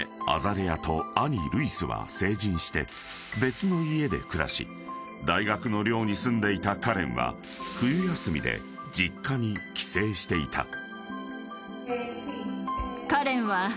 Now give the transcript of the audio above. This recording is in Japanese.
アザレアと兄ルイスは成人して別の家で暮らし大学の寮に住んでいたカレンは冬休みで実家に帰省していた］